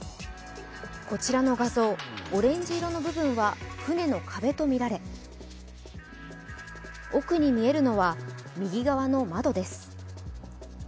こちらの画像、オレンジ色の部分は船の壁とみられ奥に見えるのは、右側の窓です。